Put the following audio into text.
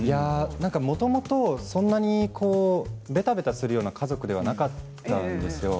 もともと、そんなにべたべたするような家族ではなかったんですよ。